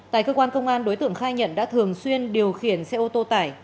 tại cơ quan công an đối tượng khai nhận đã thường xuyên điều khiển xe ô tô tải